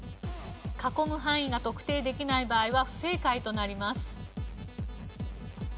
囲む範囲が特定できない場合は不正解となります。